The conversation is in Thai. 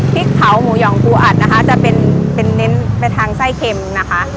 พริกเผาหมูหองปูอัดนะคะจะเป็นเน้นไปทางไส้เค็มนะคะ